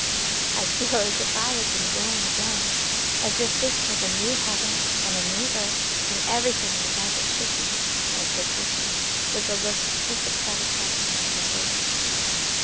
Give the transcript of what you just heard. "I feel as if I had been born again; as if this was a new heaven and a new earth, and every thing was as it should be," answered Christie, with a look of perfect satisfaction in her face.